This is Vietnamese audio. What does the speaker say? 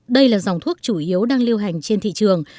đây là dòng thuốc chủ yếu đang lưu hành trên thị trường